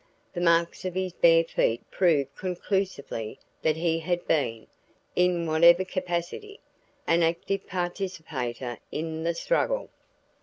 The marks of his bare feet proved conclusively that he had been, in whatever capacity, an active participator in the struggle.